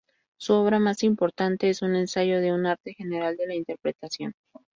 Su obra más importante es un "Ensayo de un arte general de la interpretación".